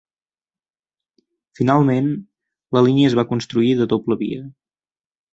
Finalment, la línia es va construir de doble via.